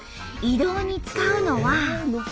移動に使うのは。